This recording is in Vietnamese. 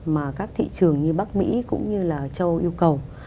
mà các thị trường như bắc mỹ cũng như là châu âu yêu cầu